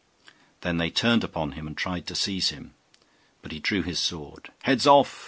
Then they turned upon him and tried to seize him; but he drew his sword. 'Heads Off!